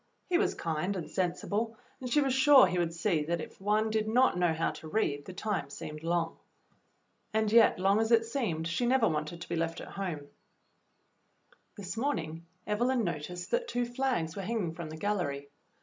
He was kind and sensible, and she was sure he would see that if one did not know how to read, the time seemed long. And yet long as it seemed she never w^anted to be left at home. This morning Evelyn noticed that two flags were hanging from the gallery.